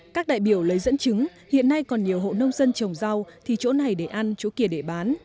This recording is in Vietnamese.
các đại biểu lấy dẫn chứng hiện nay còn nhiều hộ nông dân trồng rau thì chỗ này để ăn chỗ kia để bán